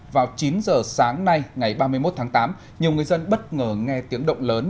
vào chín giờ sáng nay ngày ba mươi một tháng tám nhiều người dân bất ngờ nghe tiếng động lớn